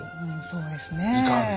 そうですねええ。